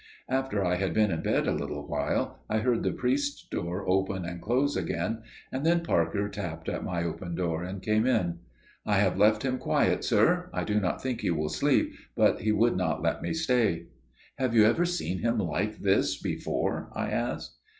After I had been in bed a little while, I heard the priest's door open and close again, and then Parker tapped at my open door and came in. "I have left him quiet, sir. I do not think he will sleep, but he would not let me stay." "Have you ever seen him like this before?" I asked.